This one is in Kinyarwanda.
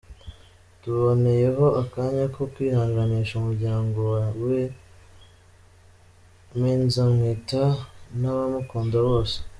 Tuboneyeho akanya ko kwihanganisha umuryango wa Me Nzamwita n’ abamukunda bose.